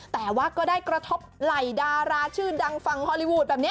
แต่ว่าก็ได้กระทบไหล่ดาราชื่อดังฝั่งฮอลลีวูดแบบนี้